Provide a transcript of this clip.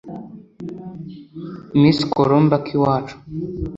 Miss Colombe Akiwacu